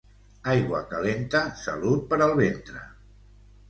Aigua calenta salut per al ventre.